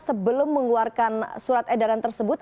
sebelum mengeluarkan surat edaran tersebut